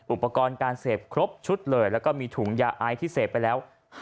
อุปกรณ์การเสพครบชุดเลยแล้วก็มีถุงยาไอที่เสพไปแล้ว